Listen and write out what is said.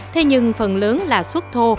thế nhưng phần lớn là xuất thô